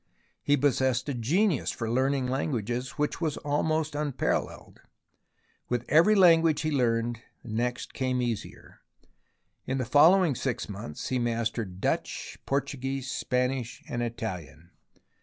He possessed a genius for learning languages which was almost unparalleled. With every language he learned, the next came easier. In the following six months he mastered Dutch, Portuguese, Spanish and Italian.